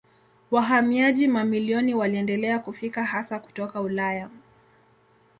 Wahamiaji mamilioni waliendelea kufika hasa kutoka Ulaya.